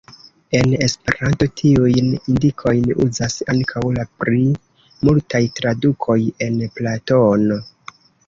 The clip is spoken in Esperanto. En Esperanto tiujn indikojn uzas ankaŭ la pli multaj tradukoj el Platono.